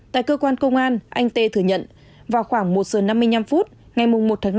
tại cơ quan công an anh tê thừa nhận vào khoảng một giờ năm mươi năm phút ngày một tháng năm